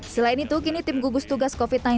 selain itu kini tim gugus tugas covid sembilan belas